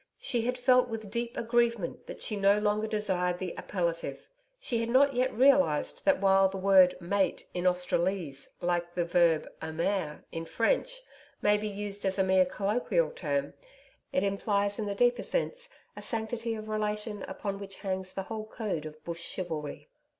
she had felt with deep aggrievement that she no longer desired the appellative. She had not yet realised that while the word 'mate' in Australese, like the verb AIMER in French, may be used as a mere colloquial term, it implies in the deeper sense a sanctity of relation upon which hangs the whole code of Bush chivalry.